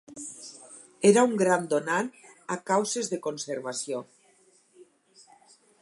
Era un gran donant a causes de conservació.